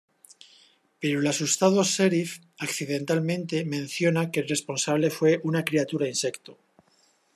Pero el asustado Sheriff "accidentalmente" menciona que el responsable fue una criatura insecto.